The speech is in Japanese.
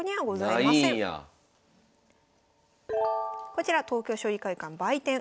こちら東京将棋会館売店。